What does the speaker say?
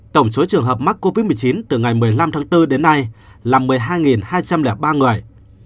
tổng số trường hợp mắc covid một mươi chín từ ngày một mươi năm tháng bốn đến nay là một mươi hai hai trăm linh ba người